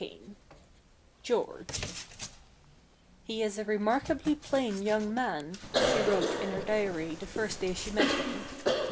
XVII GEORGE "HE is a remarkably plain young man," she wrote in her diary the first day she met him.